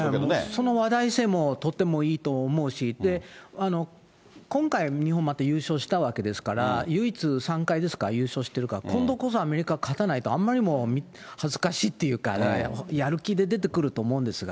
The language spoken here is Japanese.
その話題性もとてもいいと思うし、今回、日本また優勝したわけですから、唯一３回ですか、優勝してる、今度こそアメリカ勝たないと、あんまりにも恥ずかしいっていうか、やる気出てくると思うんですが。